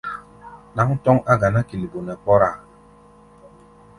Ɗáŋ tɔ́ŋ á ganá kilbo nɛ kpɔ́rá-a.